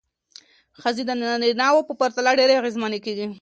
ښځې د نارینه وو پرتله ډېرې اغېزمنې کېږي.